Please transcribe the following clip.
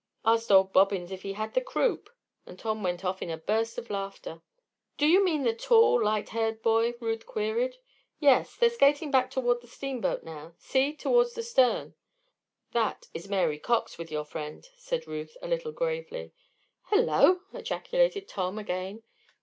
Asked old Bobbins if he had the croup?" and Tom went off into a burst of laughter. "Do you mean the tall, light haired boy?" Ruth queried. "Yes. They're skating back toward the steamboat now see, towards the stern." "That is Mary Cox with your friend," said Ruth, a little gravely. "Hullo!" ejaculated Tom, again.